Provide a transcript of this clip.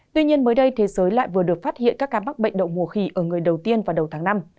tuy nhiên mới đây thế giới lại vừa được phát hiện các ca mắc bệnh đậu mùa khỉ ở người đầu tiên vào đầu tháng năm